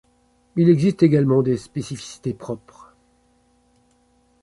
Il existe également des spécificités propres.